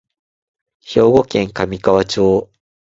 兵庫県神河町